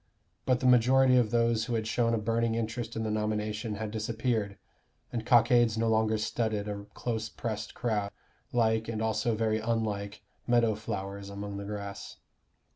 But the majority of those who had shown a burning interest in the nomination had disappeared, and cockades no longer studded a close pressed crowd, like, and also very unlike, meadow flowers among the grass.